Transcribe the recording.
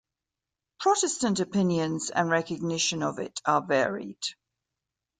Protestant opinions and recognition of it are varied.